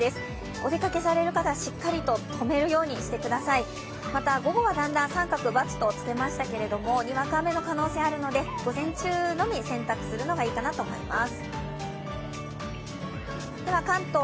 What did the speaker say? お出かけをされる方はしっかりととめるようにしてください、また、午後はだんだん、△、×とつけましたが、にわか雨の可能性があるので午前中のみ、洗濯するのがいいかなと思います。